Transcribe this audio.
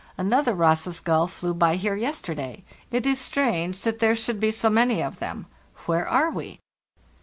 Another Ross's gull flew by here yesterday. It is strange that there should be so many of them. Where are we?